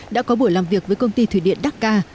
đã có buổi làm việc với công ty thủy điện đắc ca